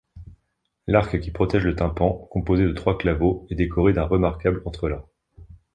L'arc qui protège le tympan, composé de trois claveaux, est décoré d'un remarquable entrelacs.